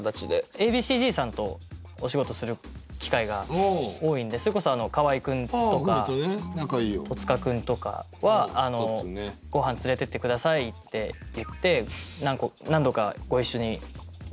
Ａ．Ｂ．Ｃ‐Ｚさんとお仕事する機会が多いんでそれこそ河合君とか戸塚君とかは「ご飯連れてって下さい」って言って何度かご一緒にお話させて頂いたりとか。